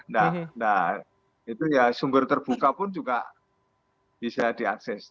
nah itu ya sumber terbuka pun juga bisa diakses